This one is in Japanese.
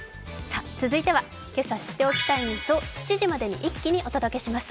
続いては、今朝知っておきたいニュースを７時までに一気にお届けします。